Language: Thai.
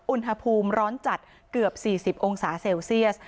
อุณหภูมิร้อนจัดเกือบ๔๐องศาเซลเซียส